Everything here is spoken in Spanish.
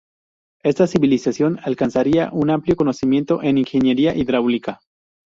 Esta civilización alcanzaría un amplio conocimiento en ingeniería hidráulica.